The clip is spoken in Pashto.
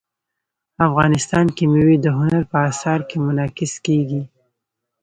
افغانستان کې مېوې د هنر په اثار کې منعکس کېږي.